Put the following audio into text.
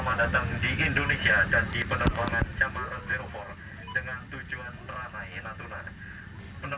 selamat datang di indonesia dan di penerbangan jambal empat dengan tujuan teranai natuna